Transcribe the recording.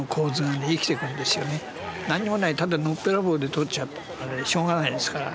何もないただのっぺらぼうで撮っちゃうとしょうがないですから。